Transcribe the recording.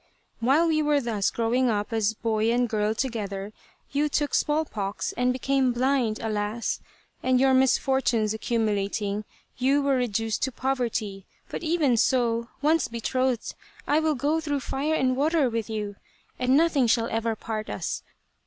While we were thus growing up as boy and girl together, you took smallpox and became blind, alas ! and your mis fortunes accumulating, you were reduced to poverty. But even so, once betrothed, I will go through fire and water with you, and nothing shall ever part us.